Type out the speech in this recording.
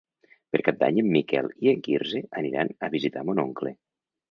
Per Cap d'Any en Miquel i en Quirze aniran a visitar mon oncle.